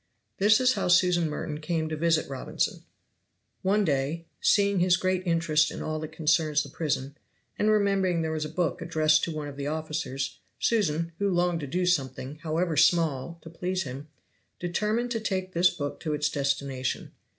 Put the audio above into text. This is how Susan Merton came to visit Robinson. One day, seeing his great interest in all that concerned the prison, and remembering there was a book addressed to one of the officers, Susan, who longed to do something, however small, to please him, determined to take this book to its destination.